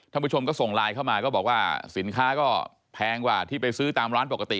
ผู้ชมก็ส่งไลน์เข้ามาก็บอกว่าสินค้าก็แพงกว่าที่ไปซื้อตามร้านปกติ